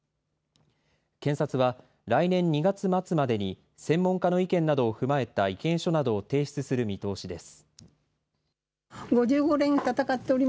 検察は、来年２月末までに、専門家の意見などを踏まえた意見書などを提出する見通しです。